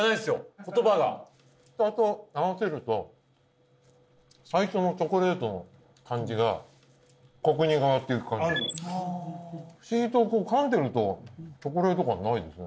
言葉が下と合わせると最初のチョコレートの感じがコクに変わっていく不思議とこうかんでるとチョコレート感ないですね